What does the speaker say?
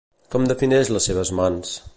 Com defineix les seves mans?